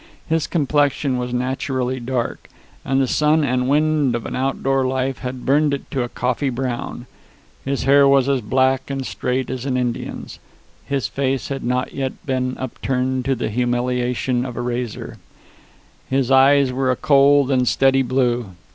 His complexion was naturally dark; and the sun and wind of an outdoor life had burned it to a coffee brown. His hair was as black and straight as an Indian's; his face had not yet been upturned to the humiliation of a razor; his eyes were a cold and steady blue.